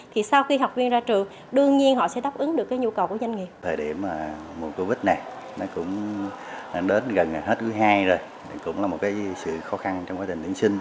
thời điểm covid một mươi chín cũng đến gần hết thứ hai rồi cũng là một sự khó khăn trong quá trình tuyển sinh